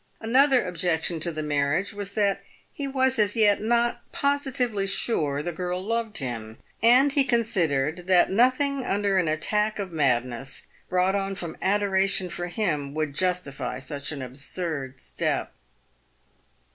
Another objection to the marriage was that he w r as as yet not posi tively sure the girl loved him, and he considered that nothing under an attack of madness, brought on from adoration for him, would justify such an absurd step.